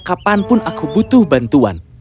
kapanpun aku butuh bantuan